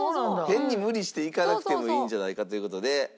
変に無理していかなくてもいいんじゃないかという事で。